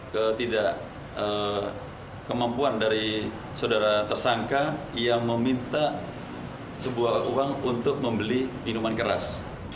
ketidak kemampuan dari saudara tersangka yang meminta sebuah uang untuk membeli minuman keras